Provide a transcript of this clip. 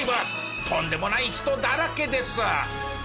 とんでない人だらけです。